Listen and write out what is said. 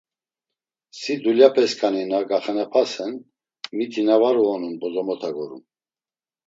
Si, dulyapesǩani na gaxenapasen, miti na var uonun bozomota gorum.